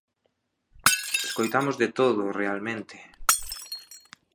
Escoitamos de todo, realmente.